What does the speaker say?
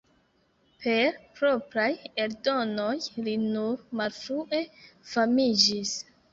Per propraj eldonoj li nur malfrue famiĝis.